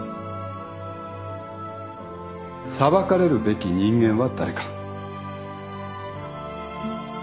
裁かれるべき人間は誰か。